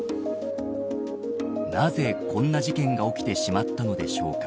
なぜ、こんな事件が起きてしまったのでしょうか。